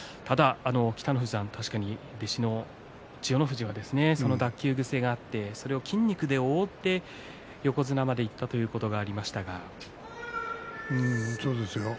北の富士さん、確かに弟子の千代の富士が脱臼癖があってそれを筋肉で覆って横綱までいったそうですよ。